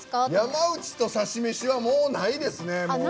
山内とサシ飯はもうないですね。